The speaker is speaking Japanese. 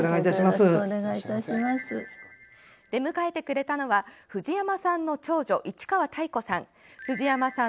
出迎えてくれたのは藤山さんの長女・市川たい子さん